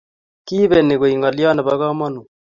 kiipei ni koek ngaliat nepo kamanut